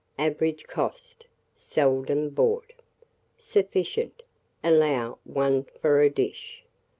Average cost, Seldom bought. Sufficient. Allow 1 for a dish.